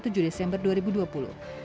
mereka tewas dengan sejumlah luka tembak